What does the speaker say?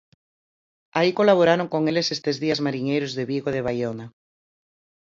Alí colaboraron con eles estes días mariñeiros de Vigo e de Baiona.